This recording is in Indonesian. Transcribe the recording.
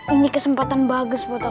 ini kesempatan bagus buat aku